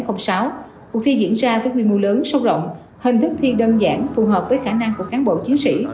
cuộc thi diễn ra với quy mô lớn sâu rộng hình thức thi đơn giản phù hợp với khả năng của cán bộ chiến sĩ